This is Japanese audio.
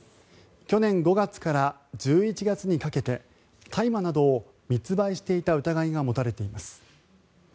去年５月から１１月にかけて大麻などを密売していた疑いが持たれています。